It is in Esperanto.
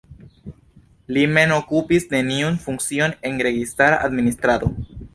Li mem okupis neniun funkcion en registara administrado.